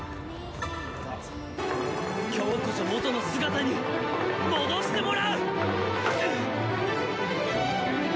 きょうこそ元の姿に戻してもらう！